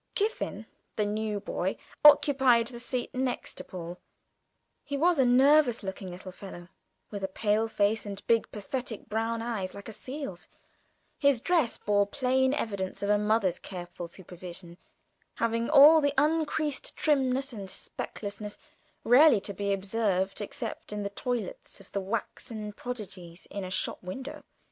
Kiffin, the new boy, occupied the seat next to Paul; he was a nervous looking little fellow, with a pale face and big pathetic brown eyes like a seal's, and his dress bore plain evidence of a mother's careful supervision, having all the uncreased trimness and specklessness rarely to be observed except in the toilettes of the waxen prodigies in a shop window.